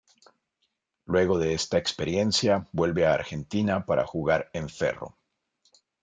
Luego de esta experiencia, vuelve a Argentina para jugar en Ferro.